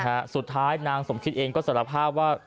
นั่นสิฮะสุดท้ายนางสมคิดเองก็สารพาห์ว่า